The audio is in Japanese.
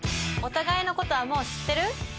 お互いのことはもう知ってる？